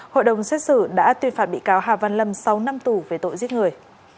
hội đồng xét xử đã tuyên phạt bị cáo hà văn lâm sáu năm tù về tội giết người